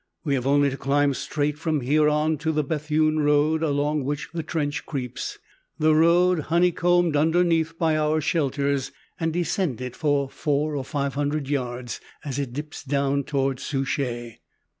We have only to climb straight from here on to the Bethune road along which the trench creeps, the road honeycombed underneath by our shelters, and descend it for four or five hundred yards as it dips down towards Souchez.